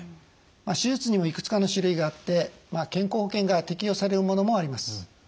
手術にもいくつかの種類があって健康保険が適用されるものもあります。